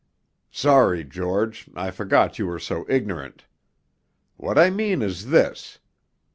'Sorry, George, I forgot you were so ignorant. What I mean is this.